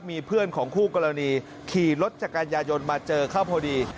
มีเพื่อนของคู่กรณีขี่รถจักรยายนมาเจอเขาพอดี